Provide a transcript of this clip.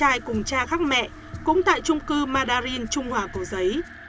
em trai cùng cha khắc mẹ cũng tại trung cư madarin trung hòa có giấy